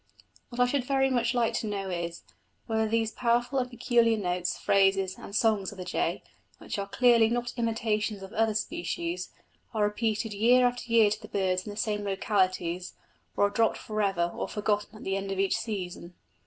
What I should very much like to know is, whether these powerful and peculiar notes, phrases, and songs of the jay, which are clearly not imitations of other species, are repeated year after year by the birds in the same localities, or are dropped for ever or forgotten at the end of each season.